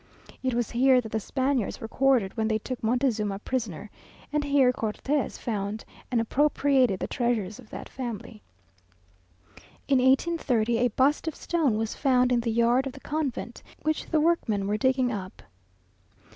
It was here that the Spaniards were quartered when they took Montezuma prisoner, and here Cortes found and appropriated the treasures of that family. In 1830 a bust of stone was found in the yard of the convent, which the workmen were digging up.